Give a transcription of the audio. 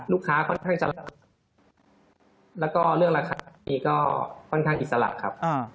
ค่อนข้างจะแล้วก็เรื่องราคานี้ก็ค่อนข้างอิสระครับ